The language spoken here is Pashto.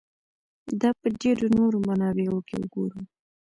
دا په ډېرو نورو منابعو کې وګورو.